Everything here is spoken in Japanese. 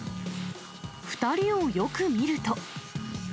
２人をよく見ると。